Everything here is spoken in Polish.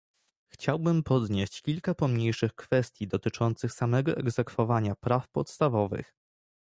Chciałbym podnieść kilka pomniejszych kwestii dotyczących samego egzekwowania praw podstawowych